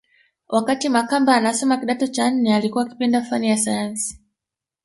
Wakati Makamba anasoma kidato cha nne alikuwa akipenda fani ya sayansi